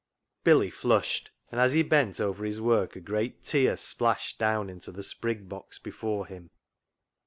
Billy flushed, and as he bent over his work a great tear splashed down into the sprig box before him.